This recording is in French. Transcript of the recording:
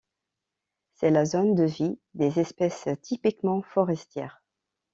C'est la zone de vie des espèces typiquement forestières.